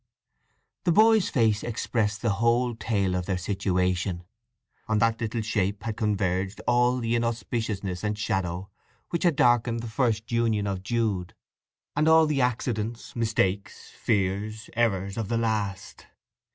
The boy's face expressed the whole tale of their situation. On that little shape had converged all the inauspiciousness and shadow which had darkened the first union of Jude, and all the accidents, mistakes, fears, errors of the last.